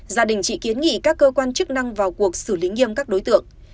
gia đình chị kiến nghị các cơ quan chức năng vào cuộc xử lý nghiêm các đối tượng